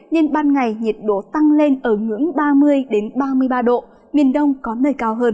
nên ban ngày nhiệt độ tăng lên ở ngưỡng ba mươi ba mươi ba độ miền đông có nơi cao hơn